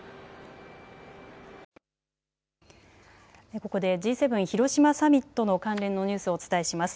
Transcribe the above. ここでＧ７広島サミットの関連のニュースをお伝えします。